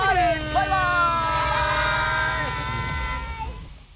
バイバーイ！